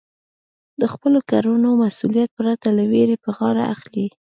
د خپلو کړنو مسؤلیت پرته له وېرې په غاړه اخلئ.